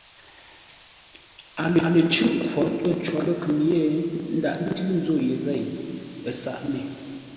A lə cʉ́ʼ nkwǒr pə̂ có ləkhʉŋ yé ńdághʼ ńtʉ́ nzǒ ye zêi, ə sǎʼ me.